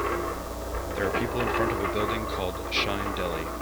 There are people in front of a building called Shine Deli.